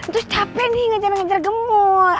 tuh capek nih ngejar ngejar gemoy